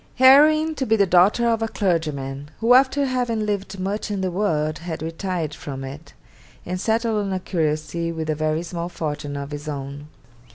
'Heroine to be the daughter of a clergyman, who after having lived much in the world had retired from it, and settled on a curacy with a very small fortune of his own.